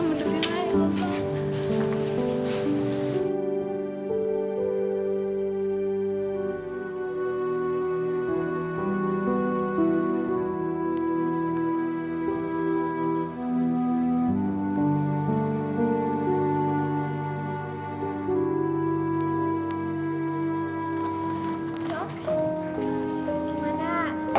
dok gimana keadaan ibu saya dok